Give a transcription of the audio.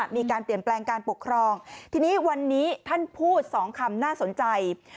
มีการเปลี่ยนแปลงการปกครองทีนี้วันนี้ท่านพูดสองคำน่าสนใจ